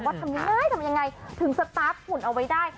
ทำยังไงทำยังไงถึงสตาร์ฟหุ่นเอาไว้ได้